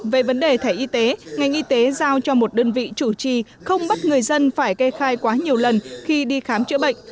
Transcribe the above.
về vấn đề thẻ y tế ngành y tế giao cho một đơn vị chủ trì không bắt người dân phải gây khai quá nhiều lần khi đi khám chữa bệnh